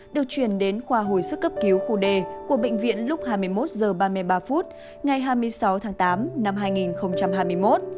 được chuyển đến khoa hồi sức cấp cứu khu d của bệnh viện lúc hai mươi một h ba mươi ba phút ngày hai mươi sáu tháng tám năm hai nghìn hai mươi một